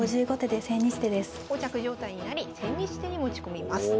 こう着状態になり千日手に持ち込みます。